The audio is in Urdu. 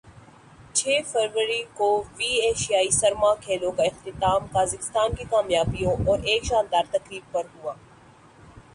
چھ فروری کو ویں ایشیائی سرما کھیلوں کا اختتام قازقستان کی کامیابیوں اور ایک شاندار تقریب پر ہوا